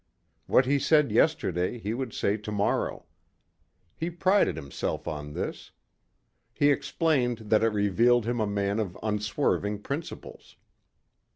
What he said yesterday he would say tomorrow. He prided himself on this. He explained that it revealed him a man of unswerving principles.